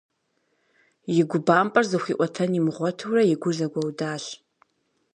И губампӏэр зыхуиӏуэтэн имыгъуэтурэ и гур зэгуэудащ.